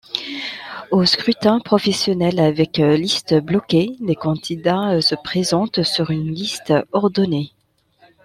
Au scrutin proportionnel avec liste bloquée, les candidats se présentent sur une liste ordonnée.